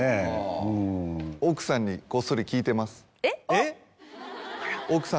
えっ？